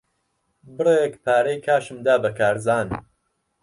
بڕێک پارەی کاشم دا بە کارزان.